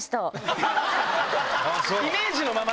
イメージのまま。